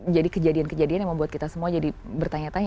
jadi kejadian kejadian yang membuat kita semua jadi bertanya tanya